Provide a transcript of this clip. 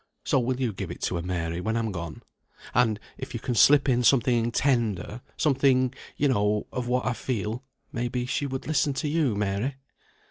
So, will you give it to her, Mary, when I'm gone? and, if you can slip in something tender, something, you know, of what I feel, may be she would listen to you, Mary."